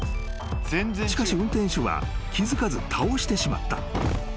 ［しかし運転手は気付かず倒してしまった］